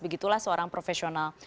begitulah seorang profesional